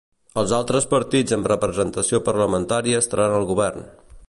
Els altres partits amb representació parlamentària estaran al govern.